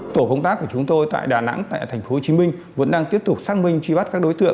tổ công tác của chúng tôi tại đà nẵng tại tp hcm vẫn đang tiếp tục xác minh truy bắt các đối tượng